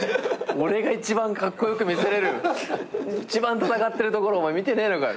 俺が一番カッコ良く見せれる一番戦ってるところ見てねえのかよ。